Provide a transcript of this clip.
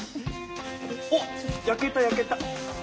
おっ焼けた焼けた。